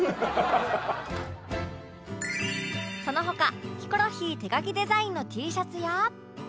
その他ヒコロヒー手描きデザインの Ｔ シャツや